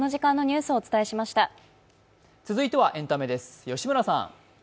続いてはエンタメです、吉村さん。